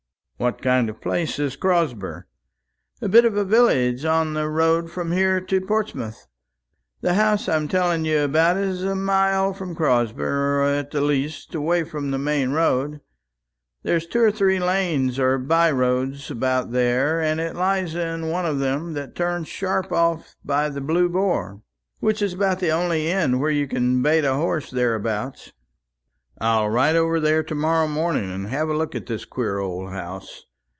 "What kind of a place is Crosber?" "A bit of a village on the road from here to Portsmouth. The house I'm telling you about is a mile from Crosber at the least, away from the main road. There's two or three lanes or by roads about there, and it lies in one of them that turns sharp off by the Blue Boar, which is about the only inn where you can bait a horse thereabouts." "I'll ride over there to morrow morning, and have a look at this queer old house.